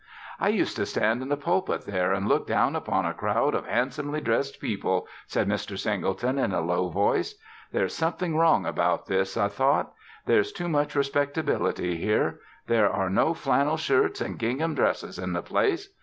"I used to stand in the pulpit there and look down upon a crowd of handsomely dressed people," said Mr. Singleton in a low voice. "'There is something wrong about this,' I thought. 'There's too much respectability here. There are no flannel shirts and gingham dresses in the place.